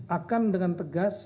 akan dengan tegas